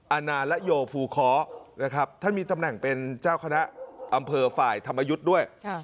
อาณาละโยภูเคาะนะครับท่านมีตำแหน่งเป็นเจ้าคณะอำเภอฝ่ายธรรมยุทธ์ด้วย